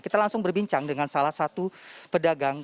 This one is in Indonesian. kita langsung berbincang dengan salah satu pedagang